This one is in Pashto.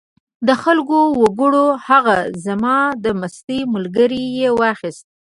دا خلک وګوره! هغه زما د مستۍ ملګری یې واخیست.